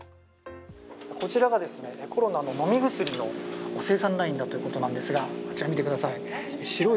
こちらがコロナの飲み薬の生産ラインということですがあちら、見てください。